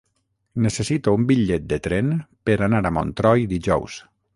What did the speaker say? Necessito un bitllet de tren per anar a Montroi dijous.